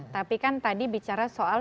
tapi kan tadi bicara soal